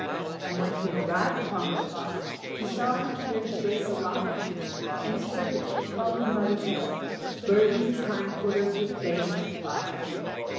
And when he had arrived upon the spot he saw in a cleared space a lion, and a serpent which held him by the tail, burning his hind quarters with flames of fire.